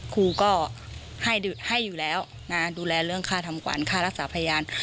ครูก็ให้อยู่แล้วนะดูแลเรื่องค่าทำขวัญค่ารักษาพยาน